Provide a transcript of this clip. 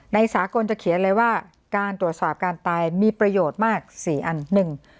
สากลจะเขียนเลยว่าการตรวจสอบการตายมีประโยชน์มากสี่อันหนึ่ง